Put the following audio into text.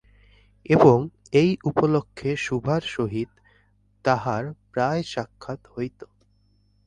এবং এই উপলক্ষে সুভার সহিত তাহার প্রায় সাক্ষাৎ হইত।